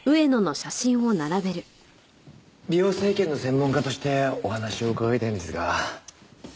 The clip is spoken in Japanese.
美容整形の専門家としてお話を伺いたいんですが。